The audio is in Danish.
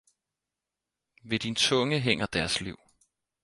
Ved din tunge hænger deres liv